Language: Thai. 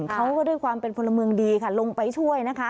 เขาก็ด้วยความเป็นพลเมืองดีค่ะลงไปช่วยนะคะ